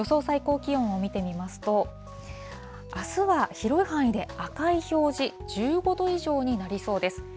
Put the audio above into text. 最高気温を見てみますと、あすは広い範囲で赤い表示、１５度以上になりそうです。